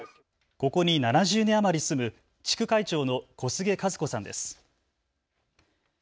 ここに７０年余り住む地区会長の小菅和子さんです。